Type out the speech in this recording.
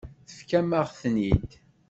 Tefkamt-aɣ-ten-id.